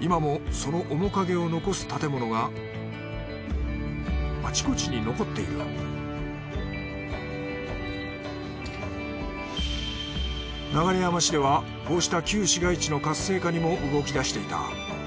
今もその面影を残す建物があちこちに残っている流山市ではこうした旧市街地の活性化にも動き出していた。